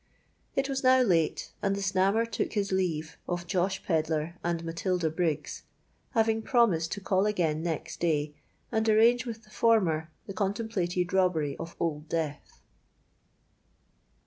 It was now late; and the Snammer took his leave of Josh Pedler and Matilda Briggs, having promised to call again next day, and arrange with the former the contemplated robbery of Old Death.